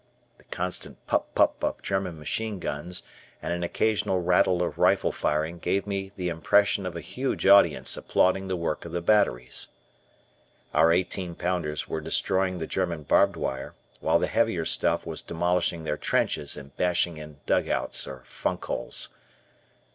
The constant pup, pup, of German machine guns and an occasional rattle of rifle firing gave me the impression of a huge audience applauding the work of the batteries. Our eighteen pounders were destroying the German barbed wire, while the heavier stuff was demolishing their trenches and bashing in dugouts or funk holes.